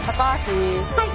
はい！